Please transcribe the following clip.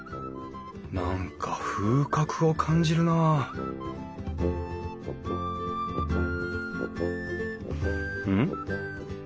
何か風格を感じるなあうん？